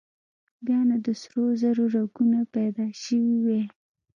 بيا نو د سرو زرو رګونه پيدا شوي وای.